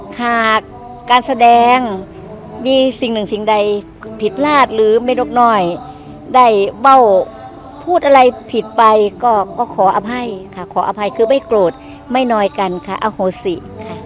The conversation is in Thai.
หากการแสดงมีสิ่งหนึ่งสิ่งใดผิดพลาดหรือไม่นกน้อยได้เบ้าพูดอะไรผิดไปก็ขออภัยค่ะขออภัยคือไม่โกรธไม่น้อยกันค่ะอโหสิค่ะ